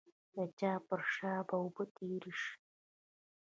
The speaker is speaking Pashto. د چا پر شا به اوبه تېرې شي.